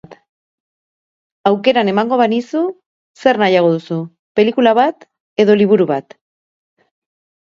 Aukeran emango banizu, zer nahiago duzu, pelikula bat edo liburu bat?